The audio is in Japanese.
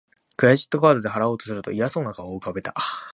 クレジットカードで払おうとすると嫌そうな顔を浮かべた